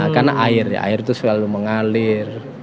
karena air ya air itu selalu mengalir